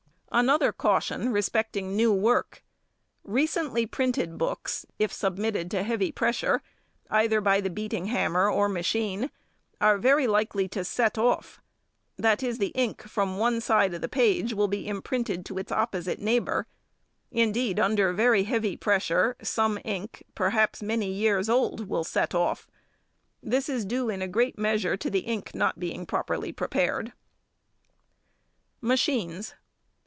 Another caution respecting new work. Recently printed books, if submitted to heavy pressure, either by the beating hammer or machine, are very likely to "set off," that is, the ink from one side of the page will be imprinted to its opposite neighbour; indeed, under very heavy pressure, some ink, perhaps many years old, will "set off;" this is due in a great measure to the ink not being properly prepared. _Machines.